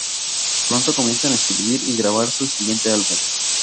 Pronto comienzan a escribir y grabar su siguiente álbum.